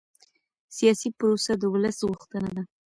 سیاسي پروسه د ولس غوښتنه ده